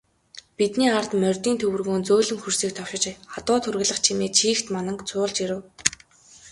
Бидний ард морьдын төвөргөөн зөөлөн хөрсийг товшиж, адуу тургилах чимээ чийгт мананг цуулж ирэв.